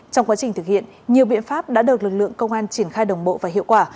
trong quá trình thực hiện nhiều biện pháp đã được lực lượng công an triển khai đồng bộ và hiệu quả